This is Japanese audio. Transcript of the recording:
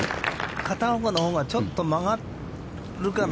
片岡のほうがちょっと曲がるかな。